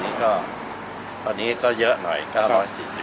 นานนี่ก็เยอะเหนื่อย